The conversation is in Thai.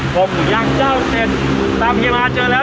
ปกหมุย่างแจ้าวเซ็นตามเฮียมาท์เจอแล้ว